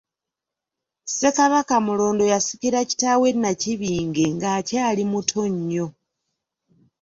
Ssekabaka Mulondo yasikira kitaawe Nakibinge nga akyali muto nnyo.